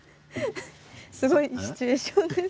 すごいシチュエーションですね。